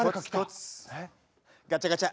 ガチャガチャ。